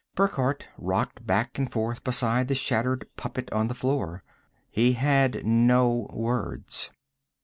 Burckhardt rocked back and forth beside the shattered puppet on the floor. He had no words.